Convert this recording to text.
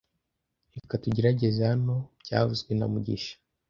Reka tugerageze hano byavuzwe na mugisha